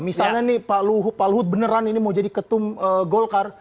misalnya nih pak luhut beneran ini mau jadi ketum golkar